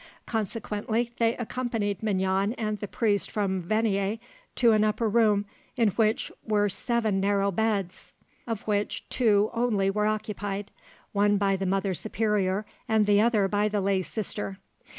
Consequently, they accompanied Mignon and the priest from Venier to an upper room, in which were seven narrow beds, of which two only were occupied, one by the mother superior and the other by the lay sister.